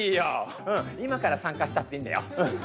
うん今から参加したっていいんだよ。